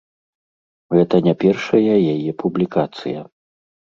Гэта не першая яе публікацыя.